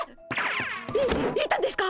い行ったんですか！？